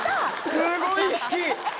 すごい引き！